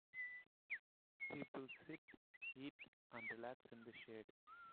People sit, eat, and relax in the shade.